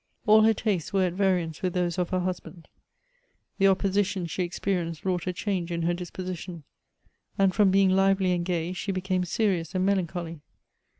AU her tastes were at variance with those of her husband. The opposition she experienced wrought a change in her disposition ; and, from being lively and gay, she became serious and melancholy.